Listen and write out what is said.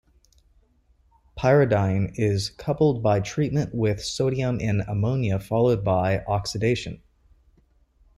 Pyridine is coupled by treatment with sodium in ammonia followed by oxidation.